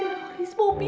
bukan teroris popi